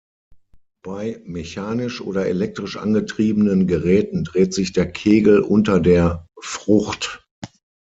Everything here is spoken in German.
Bei mechanisch oder elektrisch angetriebenen Geräten dreht sich der Kegel unter der Frucht.